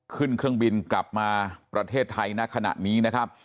ขึ้นเครื่องบินกลับมาประเทศไทยณขณะนี้นะครับ